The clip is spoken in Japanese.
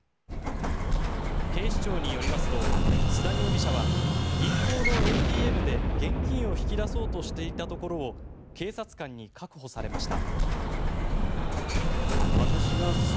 警視庁によりますと須田容疑者は銀行のＡＴＭで現金を引き出そうとしていたところを警察官に確保されました。